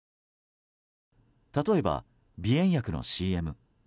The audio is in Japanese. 例えば、鼻炎薬のＣＭ。